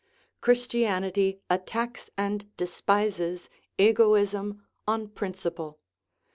Christianity attacks and despises egoism on principle.